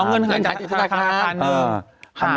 เอาเงินเงินจัตรนาคาร